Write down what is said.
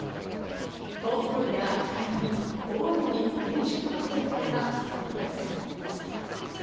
暴風や高波、大雨に厳重な警戒が必要です。